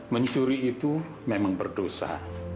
mencuri itu memang berdosa